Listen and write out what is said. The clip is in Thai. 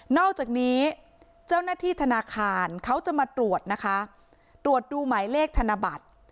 อกจากนี้เจ้าหน้าที่ธนาคารเขาจะมาตรวจนะคะตรวจดูหมายเลขธนบัตร